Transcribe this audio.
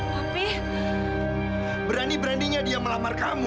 tapi berani beraninya dia melamar kamu